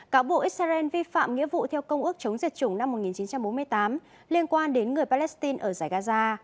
cáo buộc israel vi phạm nghĩa vụ theo công ước chống diệt chủng năm một nghìn chín trăm bốn mươi tám liên quan đến người palestine ở giải gaza